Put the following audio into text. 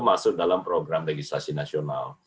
masuk dalam program legislasi nasional